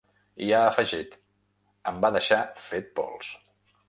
I ha afegit: Em va deixar fet pols.